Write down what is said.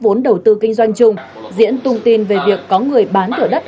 vốn đầu tư kinh doanh chung diễn tung tin về việc có người bán thửa đất